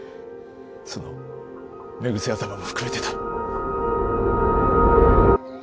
その寝癖頭も含めてだ。